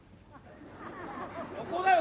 ここだよ